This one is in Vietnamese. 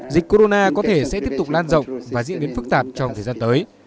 dịch corona có thể sẽ tiếp tục lan rộng và diễn biến phức tạp trong thời gian tới